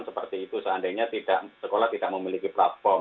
seperti itu seandainya sekolah tidak memiliki platform